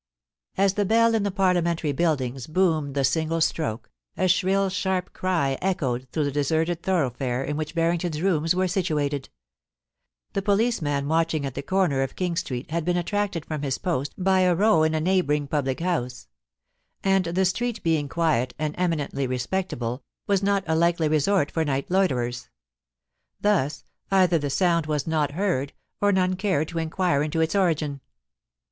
As the bell in the Parliamentary Buildings boomed the single stroke, a shrill sharp cry echoed through the deserted thoroughfare in which Harrington's rooms were situated The policeman watching at the corner of King Street had been attracted from his post by a row in a neighbouring public house; and the street being quiet and eminendy respectable, was not a likely resort for night loiterers. Thus, either the sound was not heard, or none cared to inquire into its origin.